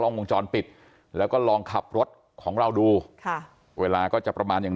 วงจรปิดแล้วก็ลองขับรถของเราดูค่ะเวลาก็จะประมาณอย่าง